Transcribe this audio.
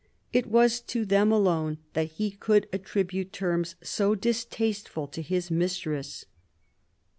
It was to them alone that he could attribute terms so distasteful to his mistress.